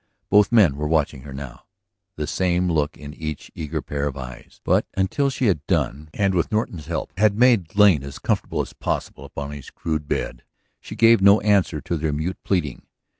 Both men were watching her now, the same look in each eager pair of eyes. But until she had done and, with Norton's help, had made Lane as comfortable as possible upon his crude bed, she gave no answer to their mute pleading.